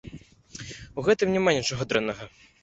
У гэтым няма нічога дрэннага.